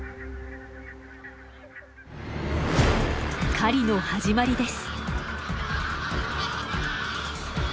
狩りの始まりです。